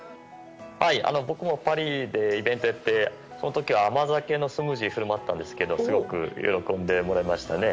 僕もパリのイベントでその時は甘酒のスムージーを振る舞ったんですがすごく喜んでもらえましたね。